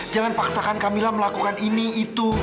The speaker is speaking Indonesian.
jangan paksakan kamilah melakukan ini itu